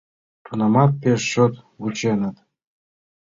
Тунамат пеш чот вученыт.